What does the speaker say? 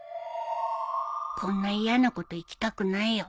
こんな嫌な子と行きたくないよ